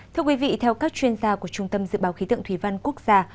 thưa quý vị theo các chuyên gia của trung tâm dự báo khí tượng thủy văn quốc gia